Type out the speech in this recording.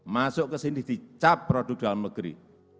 masuk ke sini dicap produk dalam negeri